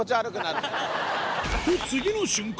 と、次の瞬間。